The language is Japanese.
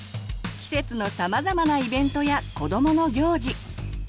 季節のさまざまなイベントや子どもの行事。